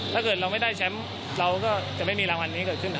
ถ้าเกิดเราไม่ได้แชมป์เราก็จะไม่มีรางวัลนี้เกิดขึ้น